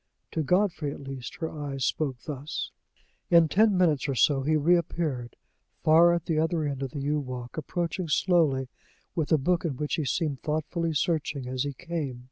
To Godfrey, at least, her eyes spoke thus. In ten minutes or so he reappeared, far at the other end of the yew walk, approaching slowly, with a book, in which he seemed thoughtfully searching as he came.